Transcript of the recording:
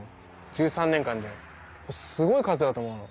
１３年間ですごい数だと思うの。